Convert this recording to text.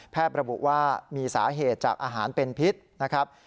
ระบุว่ามีสาเหตุจากอาหารเป็นพิษนะครับ